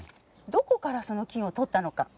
どこからその金をとったのか。